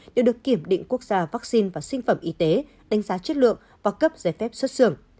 đều được kiểm định quốc gia vaccine và sinh phẩm y tế đánh giá chất lượng và cấp giấy phép xuất xưởng